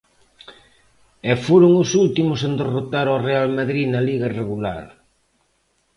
E foron os últimos en derrotar ao Real Madrid na Liga regular.